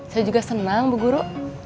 saya juga senang bu guru